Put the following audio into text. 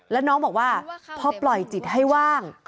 แล้วน้องบอกว่าพอปล่อยจิตให้ว่าง